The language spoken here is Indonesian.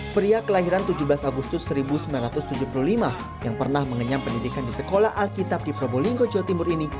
pria kelahiran tujuh belas agustus seribu sembilan ratus tujuh puluh lima yang pernah mengenyam pendidikan di sekolah alkitab di probolinggo jawa timur ini